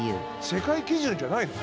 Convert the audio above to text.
世界基準じゃないの？